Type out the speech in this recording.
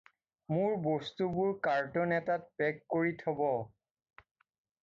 মোৰ বস্তুবোৰ কাৰ্টন এটাত পেক কৰি থ'ব।